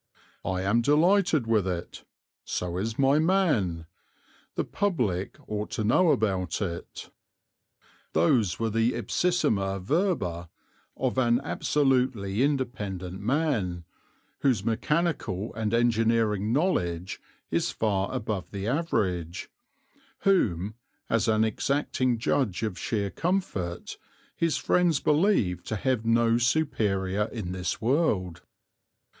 "I am delighted with it; so is my man; the public ought to know about it." Those were the ipsissima verba of an absolutely independent man, whose mechanical and engineering knowledge is far above the average, whom, as an exacting judge of sheer comfort, his friends believe to have no superior in this world.